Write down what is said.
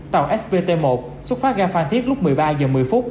tàu spt một xuất phát tại gai phan thiết lúc một mươi ba h một mươi